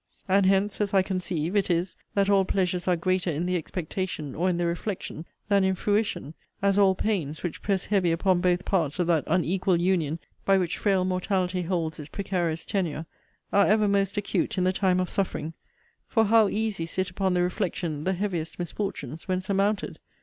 And hence, as I conceive, it is, that all pleasures are greater in the expectation, or in the reflection, than in fruition; as all pains, which press heavy upon both parts of that unequal union by which frail mortality holds its precarious tenure, are ever most acute in the time of suffering: for how easy sit upon the reflection the heaviest misfortunes, when surmounted!